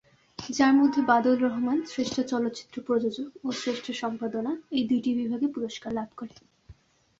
যার মধ্যে বাদল রহমান শ্রেষ্ঠ চলচ্চিত্র প্রযোজক ও শ্রেষ্ঠ সম্পাদনা এই দুইটি বিভাগে পুরস্কার লাভ করে।